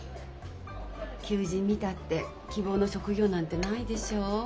求人見たって希望の職業なんてないでしょう？